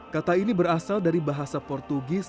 kata ini berasal dari bahasa portugis